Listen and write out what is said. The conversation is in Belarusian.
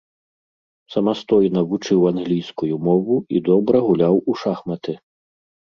Самастойна вучыў англійскую мову і добра гуляў у шахматы.